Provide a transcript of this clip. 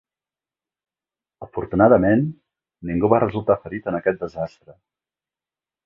Afortunadament, ningú va resultar ferit en aquest desastre.